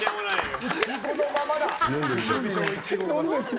イチゴのままだ。